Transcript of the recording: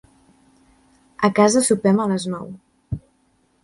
A casa sopem a les nou.